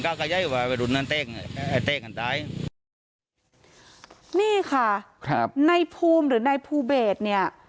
ก็จะอย่างนั้นเต้นเต้นกันได้นี่ค่ะครับในภูมิหรือในภูเบสเนี่ย